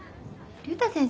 竜太先生。